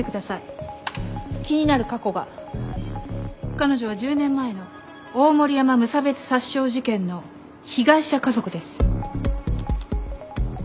彼女は１０年前の大森山無差別殺傷事件の被害者家族です。